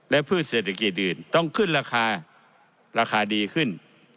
และพืชเศรษฐกิจอื่นต้องขึ้นราคาราคาดีขึ้น